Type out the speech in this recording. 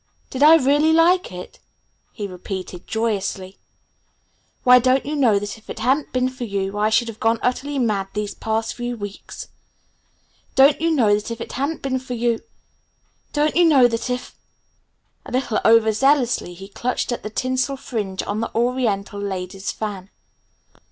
"Did I really like it?" he repeated joyously. "Why, don't you know that if it hadn't been for you I should have gone utterly mad these past few weeks? Don't you know that if it hadn't been for you don't you know that if " A little over zealously he clutched at the tinsel fringe on the oriental lady's fan.